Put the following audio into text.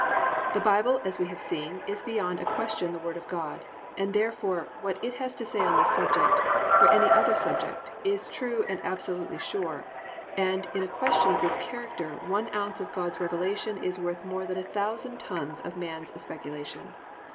_ The Bible, as we have seen, is beyond a question the Word of God, and therefore what it has to say on this subject, or any other subject, is true and absolutely sure, and in a question of this character one ounce of God's revelation is worth more than a thousand tons of man's speculation.